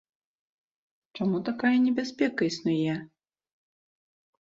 Чаму такая небяспека існуе?